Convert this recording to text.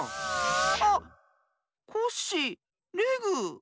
あっコッシーレグ。